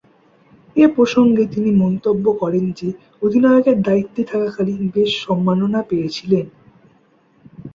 এ প্রসঙ্গে তিনি মন্তব্য করেন যে, অধিনায়কের দায়িত্বে থাকাকালীন বেশ সম্মাননা পেয়েছিলেন।